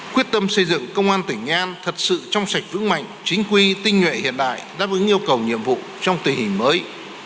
quyết tâm xây dựng công an tỉnh nghệ an thật sự trong sạch vững mạnh chính quy tinh nguyện hiện đại đáp ứng yêu cầu nhiệm vụ trong tình hình mới